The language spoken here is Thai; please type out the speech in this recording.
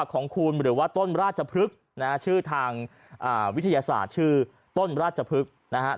ของคุณหรือว่าต้นราชพฤกษ์นะฮะชื่อทางวิทยาศาสตร์ชื่อต้นราชพฤกษ์นะฮะ